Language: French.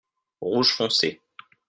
Rouge foncé.